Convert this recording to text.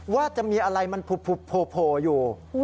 ว่าจะมีอะไรมันโผล่อยู่